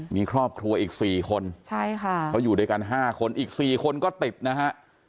มีครอบครัวอีก๔คนเขาอยู่ด้วยกัน๕คนอีก๔คนก็ติดนะฮะ